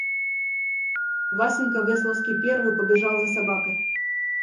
Васенька Весловский первый побежал за собакой.